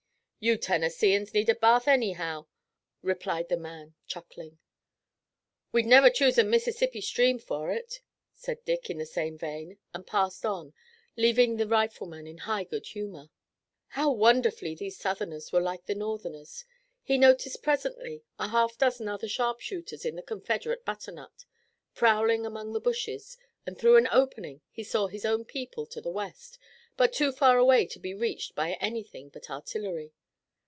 "You Tennesseeans need a bath anyhow," replied the man, chuckling. "We'd never choose a Mississippi stream for it," said Dick in the same vein, and passed on leaving the rifleman in high good humor. How wonderfully these Southerners were like the Northerners! He noticed presently a half dozen other sharpshooters in the Confederate butternut, prowling among the bushes, and through an opening he saw his own people to the west, but too far away to be reached by anything but artillery.